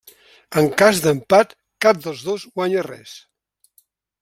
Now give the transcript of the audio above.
En cas d'empat, cap dels dos guanya res.